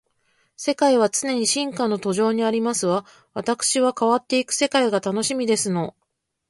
世界は常に進化の途上にありますわ。わたくしは変わっていく世界が楽しみですの